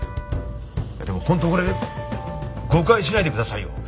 でも本当これ誤解しないでくださいよ。